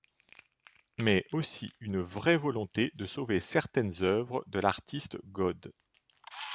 Mais aussi une vraie volonté de sauver certaines œuvres de l’artiste God.